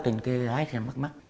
trên cái gái mất mắt